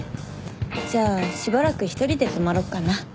じゃあしばらく１人で泊まろっかな。